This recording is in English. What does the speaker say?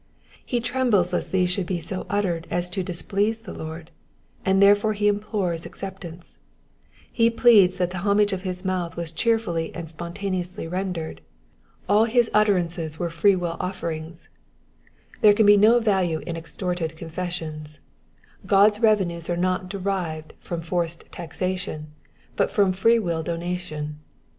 He trembles lest these should be so ill uttered as to displease the Lord, and therefore he implores acceptance. He pleads that the homage of his mouth was cheerfully and spontaneously rendered ; all Digitized by VjOOQIC PSALM ONE HUNDRED Ai^D KINETEEK— VEBSES 105 TO 112. 245 his utterances were freewill offerings. There can be no value in extorted confessions : God's revenues are not derived from forced taxation, but from freewill donation.